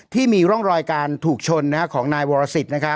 ที่มีร่องรอยการถูกชนของนายวรสิทธิ์